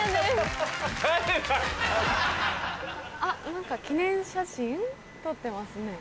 何か記念写真撮ってますね。